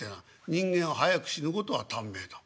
「人間早く死ぬことは短命だ」。